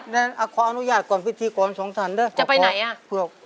เราขออนุญาตก่อนพิธีกว่าช่องสรรย์แดียว